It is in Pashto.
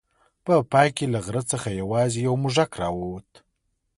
په پای کې له غره څخه یوازې یو موږک راووت.